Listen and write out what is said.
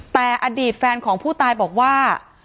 แต่อดีตแฟนของผู้ตายบอกว่า